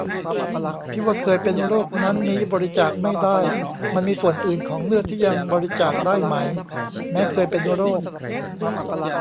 ที่ว่าเคยเป็นโรคนั้นนี้บริจาคไม่ได้ มันมีส่วนอื่นของเลือดที่ยังบริจาคได้ไหม แม้เคยเป็นโรค